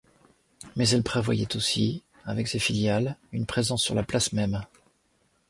Mais elle prévoyait aussi avec ses filiales une présence sur la place même.